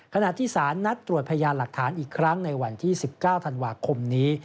ขณะที่สารนัดตรวจพยานหลักฐานอีกครั้งในวันที่๑๙ธันวาคมนี้